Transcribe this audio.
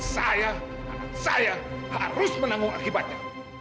saya saya harus menanggung akibatnya